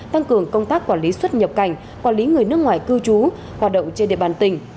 tăng cường công tác quản lý xuất nhập cảnh quản lý người nước ngoài cư trú hoạt động trên địa bàn tỉnh